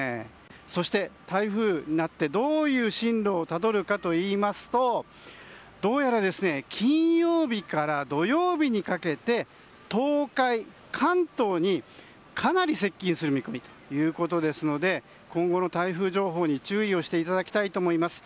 そして、台風になってどういう進路をたどるかといいますとどうやら、金曜日から土曜日にかけて東海、関東にかなり接近する見込みということですので今後の台風情報に注意をしていただきたいと思います。